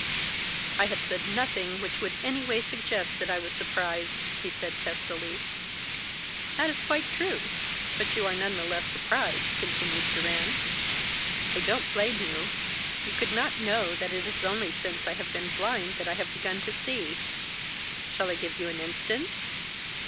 "I have said nothing which could in any way suggest that I was surprised," he said testily. "That is quite true, but you are none the less surprised," continued Durrance. "I don't blame you. You could not know that it is only since I have been blind that I have begun to see. Shall I give you an instance?